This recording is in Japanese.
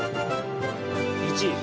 １位。